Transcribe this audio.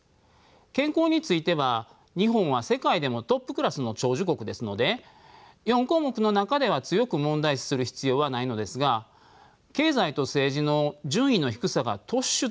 健康については日本は世界でもトップクラスの長寿国ですので４項目の中では強く問題視する必要はないのですが経済と政治の順位の低さが突出しています。